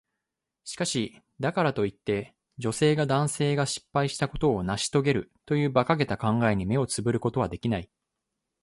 しかし、だからといって、女性が男性が失敗したことを成し遂げるという馬鹿げた考えに目をつぶることはできない。